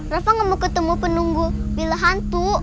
rafa gak mau ketemu penunggu bila hantu